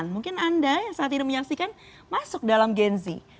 mungkin anda yang saat ini menyaksikan masuk dalam gen z